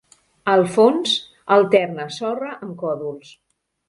El fons alterna sorra amb còdols.